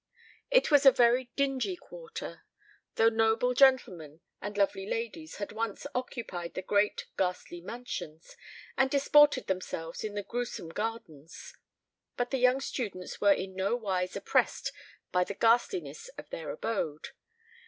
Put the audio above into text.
It was a very dingy quarter, though noble gentlemen and lovely ladies had once occupied the great ghastly mansions, and disported themselves in the gruesome gardens. But the young students were in nowise oppressed by the ghastliness of their abode.